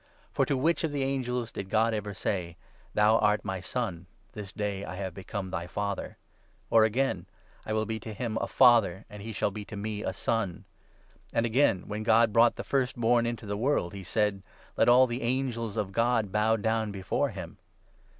For to which of the angels did God ever say — 1 Thou art my Son ; this day I have become thy Father '? or again —' I will be to him a Father, and he shall be to me a Son '? And again, when God brought the First born into the world, he said — 1 Let all the angels of God bow down before him.'